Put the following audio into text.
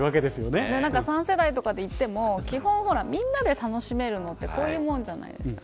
３世代とかで行っても基本、みんなで楽しめるのってこういうものじゃないですか。